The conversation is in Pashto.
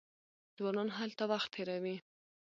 ځوانان هلته وخت تیروي.